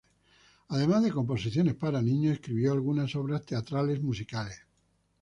Además de composiciones para niños, escribió algunas obras teatrales-musicales.